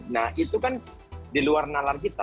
nah itu kan di luar nalar kita